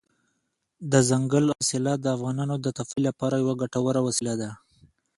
دځنګل حاصلات د افغانانو د تفریح لپاره یوه ګټوره وسیله ده.